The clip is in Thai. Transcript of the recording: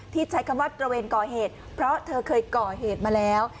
ใช้คำว่าตระเวนก่อเหตุเพราะเธอเคยก่อเหตุมาแล้ว